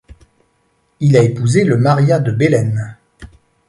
Il a épousé le Maria de Beelen.